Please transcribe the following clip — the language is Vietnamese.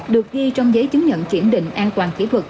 được ghi trong giấy chứng nhận kiểm định an toàn kỹ thuật